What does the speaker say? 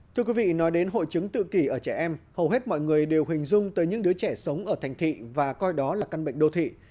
thưa quý vị nói đến hội chứng tự kỷ ở trẻ em hầu hết mọi người đều hình dung tới những đứa trẻ sống ở thành thị và coi đó là căn bệnh đô thị